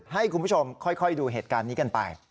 ให้คุณผู้ชมค่อยดูเหตุการณ์นี้กันไป